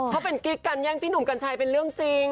ถ้าเป็นกริ๊กกันยังติดหนุ่มกันใช่เป็นเรื่องจริง